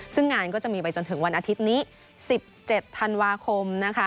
ซึ่งงานก็จะมีไปจนถึงวันอาทิตย์นี้๑๗ธันวาคมนะคะ